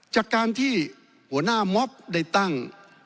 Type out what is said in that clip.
จากการที่หัวหน้ามอบได้ตั้ง